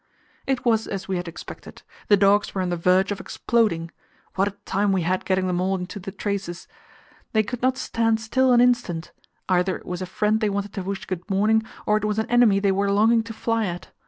It was as we had expected: the dogs were on the verge of exploding. What a time we had getting them all into the traces! They could not stand still an instant; either it was a friend they wanted to wish good morning, or it was an enemy they were longing to fly at.